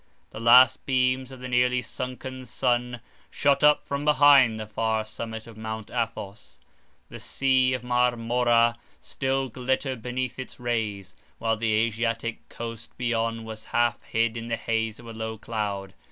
The last beams of the nearly sunken sun shot up from behind the far summit of Mount Athos; the sea of Marmora still glittered beneath its rays, while the Asiatic coast beyond was half hid in a haze of low cloud.